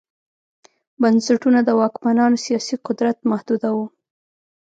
بنسټونه د واکمنانو سیاسي قدرت محدوداوه